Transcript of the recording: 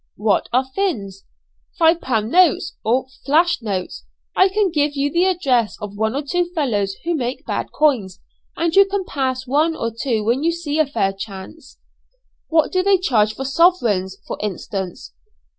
'" "What are 'fins?'" "Five pound notes, or flash notes. I can give you the address of one or two fellows who make bad coins, and you can pass one or two when you see a fair chance." "What do they charge for sovereigns, for instance?"